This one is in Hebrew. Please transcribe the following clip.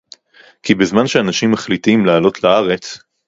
כי בזמן שאנשים מחליטים לעלות לארץ